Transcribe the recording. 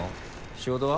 仕事は？